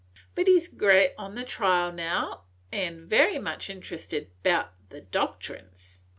But he 's gret on the trial now, an' very much interested 'bout the doctrines.